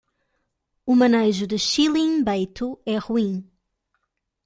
O manejo de Shihlin Beitou é ruim